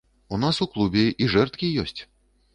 У нас у клубе і жэрдкі ёсць.